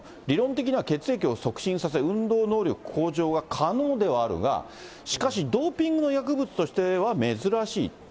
理論的には血液を促進させ、運動能力向上が可能ではあるが、しかしドーピングの薬物としては珍しい。